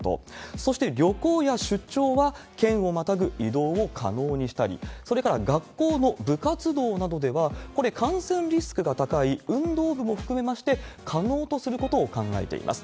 そして旅行や出張は、県をまたぐ移動を可能にしたり、それから学校の部活動などでは、これ、感染リスクが高い運動部も含めまして可能とすることを考えています。